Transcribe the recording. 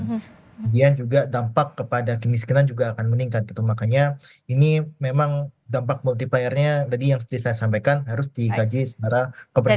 kemudian juga dampak kepada kemiskinan juga akan meningkat gitu makanya ini memang dampak multipliernya tadi yang seperti saya sampaikan harus dikaji secara keberlanju